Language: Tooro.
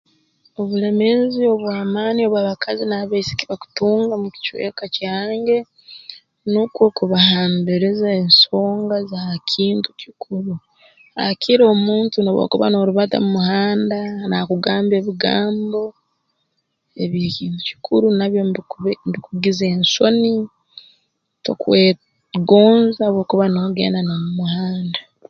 Obulemeezi obw'amaani obw'abakazi n'abaisiki bakutunga mu kicweka kyange nukwo kubahambiriza ensonga z'aha kintu kikuru haakire omuntu n'obu okuba noorubata mu muhanda naakugamba ebigambo eby'ekintu kikuru nabyo mbiku mbikugiza ensoni tokwegonza obu okuba noogenda n'omu muhanda